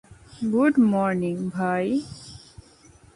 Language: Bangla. গুড মর্নিং, ভাই।